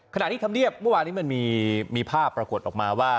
ที่ธรรมเนียบเมื่อวานนี้มันมีภาพปรากฏออกมาว่า